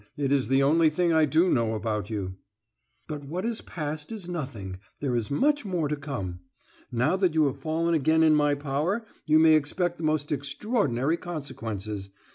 It is the only thing I do know about you." "But what is past is nothing; there is much more to come. Now that you have fallen again in my power, you may expect the most extraordinary consequences.